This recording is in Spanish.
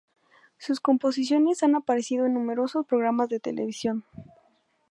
Sus composiciones han aparecido en numerosos programas de televisión.